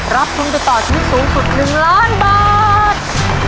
รับทุนไปต่อชีวิตสูงสุด๑ล้านบาท